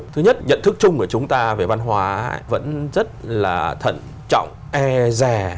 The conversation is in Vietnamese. thứ nhất nhận thức chung của chúng ta về văn hóa vẫn rất là thận trọng e rè